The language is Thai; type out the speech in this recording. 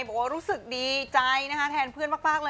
บอกว่ารู้สึกดีใจนะคะแทนเพื่อนมากเลย